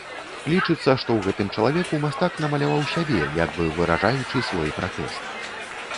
Лічыцца, што ў гэтым чалавеку мастак намаляваў сябе, як бы выражаючы свой пратэст.